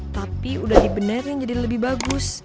tapi udah dibenerin jadi lebih bagus